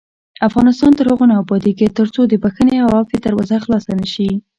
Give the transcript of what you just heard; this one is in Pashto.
افغانستان تر هغو نه ابادیږي، ترڅو د بښنې او عفوې دروازه خلاصه نشي.